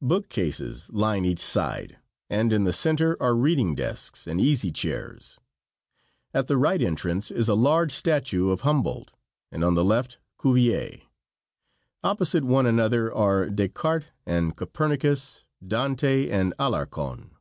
Book cases line each side, and in the center are reading desks and easy chairs. At the right entrance is a large statue of Humboldt, and on the left Cuvier. Opposite one another are Descartes and Copernicus, Dante and Alarcon.